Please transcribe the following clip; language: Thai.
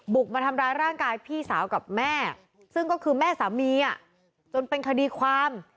มาทำร้ายร่างกายพี่สาวกับแม่ซึ่งก็คือแม่สามีจนเป็นคดีความ